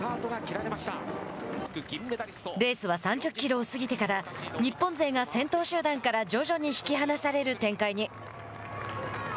レースは３０キロを過ぎてから日本勢が先頭集団から徐々に引き離される展開に。